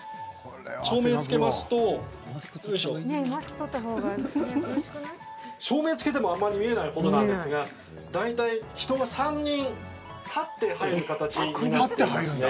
照明をつけますとよいしょ照明つけても、あんまり見えないほどなんですが大体、人が３人立って入る形になっていますね。